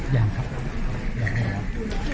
ยังครับยังไม่ได้รับ